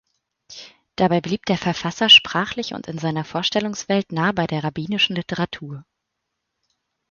Dabei blieb der Verfasser sprachlich und in seiner Vorstellungswelt nah bei der rabbinischen Literatur.